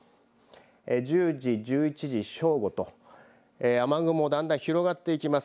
１０時、１１時、正午と雨雲だんだん広がっていきます。